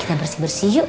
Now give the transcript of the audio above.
kita bersih bersih yuk